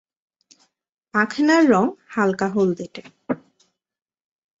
পাখনার রং হালকা হলদেটে।